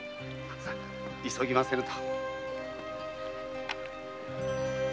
さ急ぎませぬと。